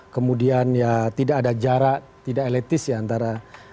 kemudian ya tidak ada jarak tidak elitis ya antara